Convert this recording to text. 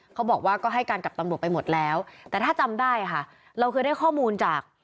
เขาบอกว่าก็ให้การกับตำรวจไปหมดแล้วแต่ถ้าจำได้ค่ะเราเคยได้ข้อมูลจาก